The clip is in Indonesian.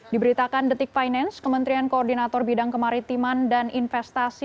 diberitakan detik finance kementerian koordinator bidang kemaritiman dan investasi